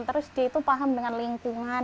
terus dia itu paham dengan lingkungan